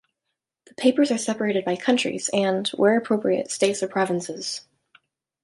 The papers are separated by countries and, where appropriate, states or provinces.